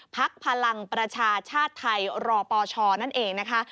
พลังประชาชาติไทยรปชนั่นเองนะคะ